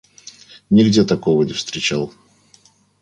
Нигде такого не встречал.